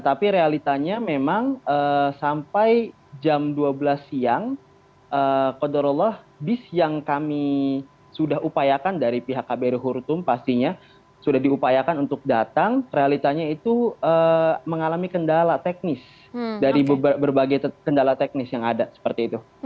tapi realitanya memang sampai jam dua belas siang kodarullah bis yang kami sudah upayakan dari pihak kb hurutum pastinya sudah diupayakan untuk datang realitanya itu mengalami kendala teknis dari berbagai kendala teknis yang ada seperti itu